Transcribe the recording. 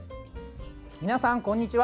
皆さん、こんにちは。